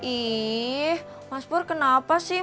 ih mas pur kenapa sih